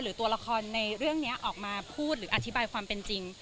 ตัวละครในเรื่องนี้ออกมาพูดหรืออธิบายความเป็นจริง